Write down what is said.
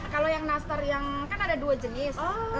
kalau yang nastar yang kan ada dua jenis